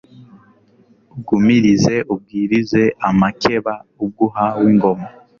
Ugumirize ubwirize amakeba Ubwo uhawe ingoma,